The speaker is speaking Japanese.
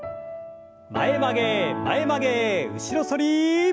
前曲げ前曲げ後ろ反り。